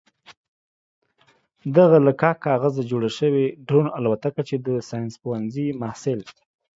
دغه له کاک کاغذه جوړه شوې ډرون الوتکه چې د ساينس پوهنځي محصل